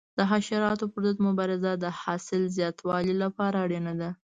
د حشراتو پر ضد مبارزه د حاصل زیاتوالي لپاره اړینه ده.